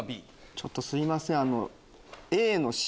ちょっとすいません。